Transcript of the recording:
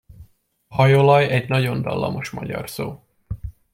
A hajolaj egy nagyon dallamos magyar szó.